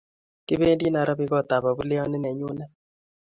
Kipoendi Nairobi kot ab abuleyanit nenyunet